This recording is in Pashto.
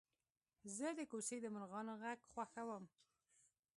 زه د کوڅې د مرغانو غږ خوښوم.